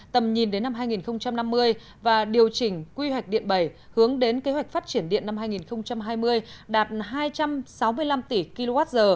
tầm nhìn đến năm hai nghìn năm mươi và điều chỉnh quy hoạch điện bảy hướng đến kế hoạch phát triển điện năm hai nghìn hai mươi đạt hai trăm sáu mươi năm tỷ kwh